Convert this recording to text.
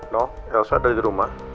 no elsa ada di rumah